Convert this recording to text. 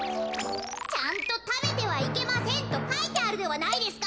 ちゃんと「食べてはいけません」とかいてあるではないですか！